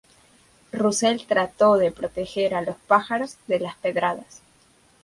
Russell trató de proteger a los pájaros de las pedradas.